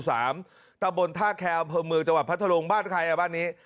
ภาคหมู่๓ตำบลท่าแคมมือจังหวัดพัทธรรมบ้านใครอ่ะบ้านนี้